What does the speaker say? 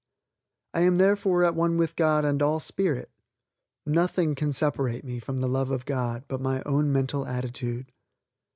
I am therefore at one with God and all spirit. Nothing can separate me from the love of God, but my own mental attitude.